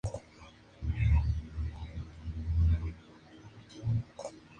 Publicó un total de cinco números.